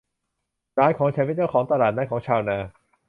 หลานของฉันเป็นเจ้าของตลาดนัดของชาวนา